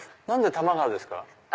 何で多摩川ですか？